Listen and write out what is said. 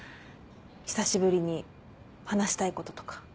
久しぶりに話したいこととか。